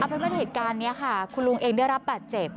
เป็นว่าเหตุการณ์นี้ค่ะคุณลุงเองได้รับบาดเจ็บ